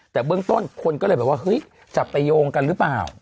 แต่เบื้องต้นคนก็เลยแบบว่าเฮ้ยจับไปโยงกันหรือเปล่า